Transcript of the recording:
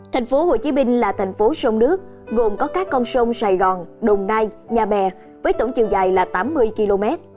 thành phố hồ chí minh là thành phố sông nước gồm có các con sông sài gòn đồng nai nhà bè với tổng chiều dài là tám mươi km